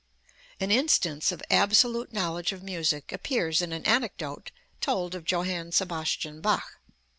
An instance of absolute knowledge of music appears in an anecdote told of Johann Sebastian Bach.